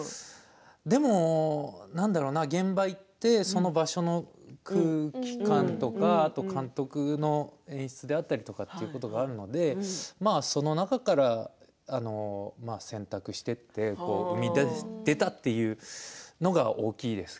でも何だろうな、現場に行ってその場所の空気感とかあと監督の演出であったりってことがあるのでその中から選択していって生み出たというのが大きいです。